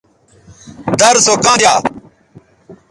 در سو کاں دیا